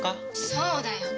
そうだよ！